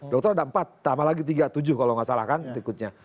dokter ada empat tambah lagi tiga tujuh kalau nggak salah kan berikutnya